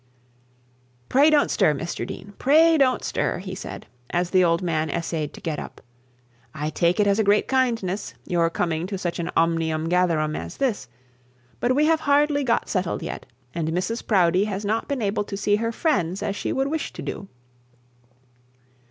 'Pray don't stir, Mr Dean, pray don't stir,' he said, as the old man essayed to get up; 'I take it as a great kindness, your coming to such an omnium gatherum as this. But we have hardly got settled yet, and Mrs Proudie has not been able to see her friends as she would wish to do.